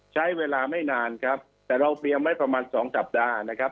ใช้เวลาไม่นานครับแต่เราเตรียมไว้ประมาณสองสัปดาห์นะครับ